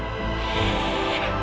dan aku juga berharap